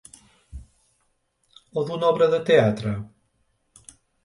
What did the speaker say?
O d’una obra de teatre?